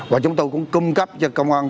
và chúng tôi cũng cung cấp cho công an